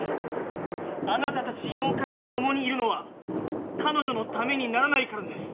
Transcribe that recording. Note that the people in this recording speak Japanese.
あなたたち妖怪と共にいるのは彼女のためにならないからです。